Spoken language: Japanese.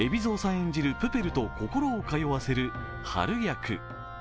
演じるプペルと心を通わせるはる役。